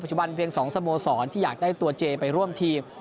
จุบันเพียง๒สโมสรที่อยากได้ตัวเจไปร่วมทีม